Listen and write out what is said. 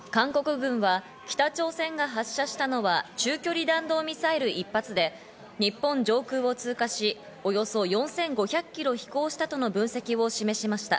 韓国軍は北朝鮮が発射したのは中距離弾道ミサイル１発で、日本上空を通過し、およそ４５００キロ飛行したとの分析を示しました。